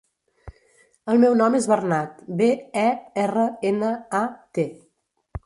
El meu nom és Bernat: be, e, erra, ena, a, te.